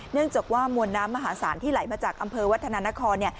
เนื่องจากว่ามวลน้ำมหาศาลที่ไหลมาจากอำเภอวัฒนานคร